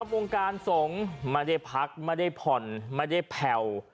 วงการสงฆ์ไม่ได้พักไม่ได้ผ่อนไม่ได้แผ่ว